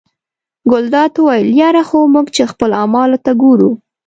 ګلداد وویل یره خو موږ چې خپلو اعمالو ته ګورو.